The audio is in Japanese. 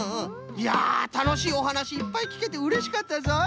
いやたのしいおはなしいっぱいきけてうれしかったぞい。